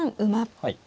はい。